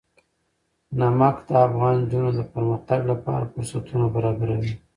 نمک د افغان نجونو د پرمختګ لپاره فرصتونه برابروي.